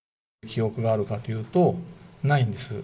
記憶があるかというと、ないんです。